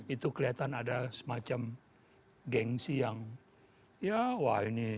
itu kelihatan ada semacam gengsi yang ya wah ini